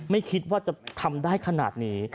ไม่คิดว่าจะทำได้ขนาดนี้